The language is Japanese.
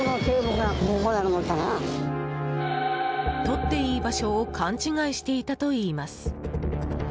とっていい場所を勘違いしていたといいます。